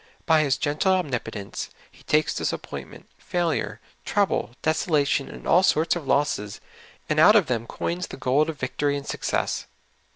By His gentle omnipotence, He takes disappointment, failure, trouble, desolation, and all sorts of losses, and out of them coins the gold of victory and success.